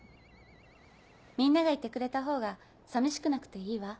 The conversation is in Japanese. みんながいてくれたほうが寂しくなくていいわ。